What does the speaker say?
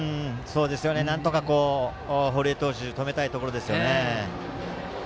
なんとか堀江投手が止めたいところですね。